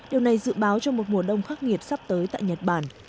điều này dự báo cho một mùa đông khắc nghiệt sắp tới tại nhật bản